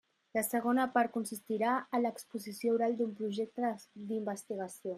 La segona part consistirà en l'exposició oral d'un projecte d'investigació.